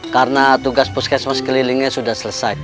karena tugas puskesmas kelilingnya sudah selesai